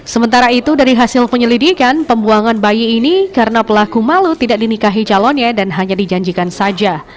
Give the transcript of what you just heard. sementara itu dari hasil penyelidikan pembuangan bayi ini karena pelaku malu tidak dinikahi calonnya dan hanya dijanjikan saja